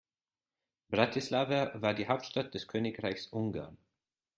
Bratislava war die Hauptstadt des Königreichs Ungarn.